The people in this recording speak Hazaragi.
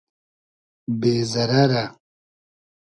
بې زئرئرۂ